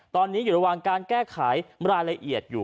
ตอนนี้อยู่ระหว่างการแก้ไขรายละเอียดอยู่